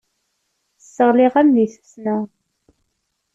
Sseɣliɣ-am deg tfesna.